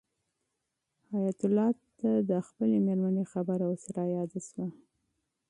حیات الله ته د خپلې مېرمنې خبره اوس رایاده شوه.